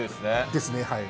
ですねはい。